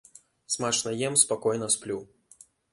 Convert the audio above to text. Смачна ем, спакойна сплю.